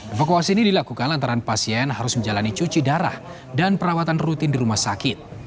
evakuasi ini dilakukan antara pasien harus menjalani cuci darah dan perawatan rutin di rumah sakit